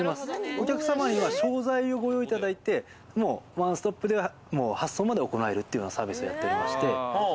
お客様には商材をご用意いただいてワンストップで発送まで行えるというサービスをやっておりまして。